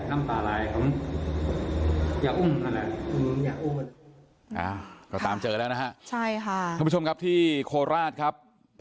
น้ำตาลายผมอย่าอุ้มอะไรอ่าก็ตามเจอแล้วนะฮะใช่ค่ะคุณผู้ชมครับที่โคราชครับ